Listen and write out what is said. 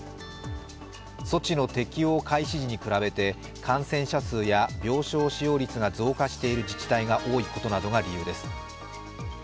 措置の適用開始時に比べて感染者数や病床使用率が増加している自治体が多いことなどが理由です。